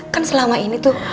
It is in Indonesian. kan selama ini tuh